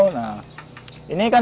nah ini kan